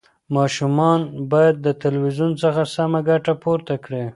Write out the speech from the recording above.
ماشومان باید د تلویزیون څخه سمه ګټه پورته کړي.